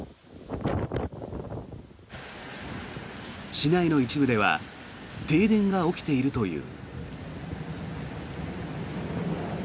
市内の一部では停電が起きているという。